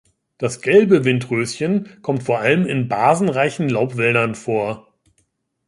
Das gelbe Windröschen kommt vor allem in basenreichen Laubwäldern vor.